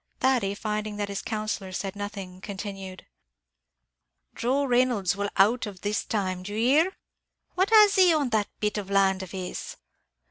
Thady, finding that his counsellor said nothing, continued, "Joe Reynolds will out of that this time, d'you hear? what has he on that bit of land of his?"